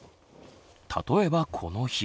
例えばこの日。